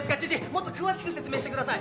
もっと詳しく説明してください。